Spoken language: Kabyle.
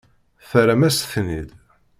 Terram-as-ten-id.